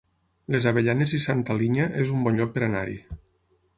Les Avellanes i Santa Linya es un bon lloc per anar-hi